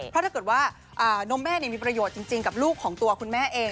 เพราะถ้าเกิดว่านมแม่มีประโยชน์จริงกับลูกของตัวคุณแม่เอง